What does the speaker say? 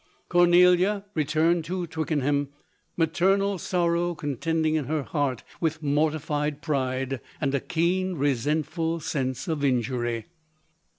Cornelia returned to Twickenham, maternal sorrow con tending in her heart with mortified pride, and a keen resentful sense of injury.